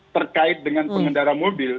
terkait dengan pengendara mobil